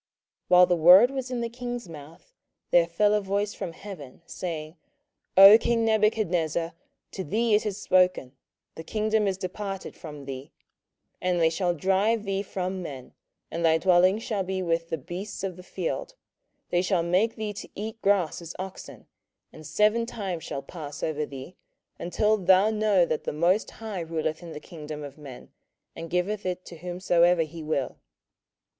27:004:031 While the word was in the king's mouth, there fell a voice from heaven, saying, O king Nebuchadnezzar, to thee it is spoken; The kingdom is departed from thee. 27:004:032 And they shall drive thee from men, and thy dwelling shall be with the beasts of the field: they shall make thee to eat grass as oxen, and seven times shall pass over thee, until thou know that the most High ruleth in the kingdom of men, and giveth it to whomsoever he will.